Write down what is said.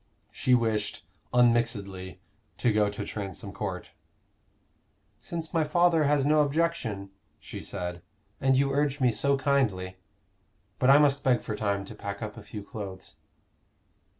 She wished, unmixedly, to go to Transome Court. "Since my father has no objection," she said, "and you urge me so kindly. But I must beg for time to pack up a few clothes."